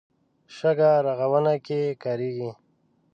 شګه رغونه کې کارېږي.